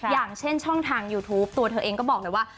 อย่างเช่นช่องทางยูทูปตัวเธอเองก็บอกเลยว่า